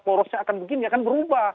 porosnya akan berubah